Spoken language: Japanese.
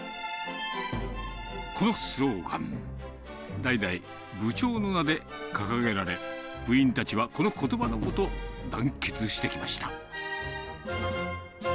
このスローガン、代々、部長の名で掲げられ、部員たちはこのことばの下、団結してきました。